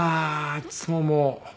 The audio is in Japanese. いつももう。